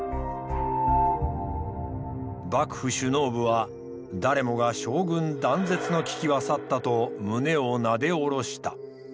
幕府首脳部は誰もが将軍断絶の危機は去ったと胸をなで下ろした。